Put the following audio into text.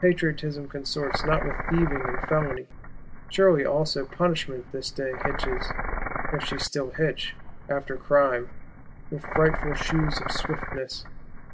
Patriotism consorts not with thieving and felony: surely also Punishment, this day, hitches (if she still hitch) after Crime, with frightful shoes of swiftness!